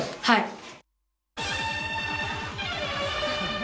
はい。